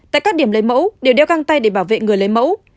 tại các điểm lấy mẫu đều đeo găng tay để bảo vệ người lấy mẫu